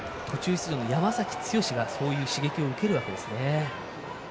今日、途中出場の山崎剛がそういう刺激を受けるわけですね。